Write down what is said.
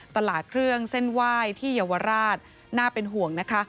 ตลาดเครื่องเส้นไหว้ที่เยาวราชน่าเป็นห่วงนะคะ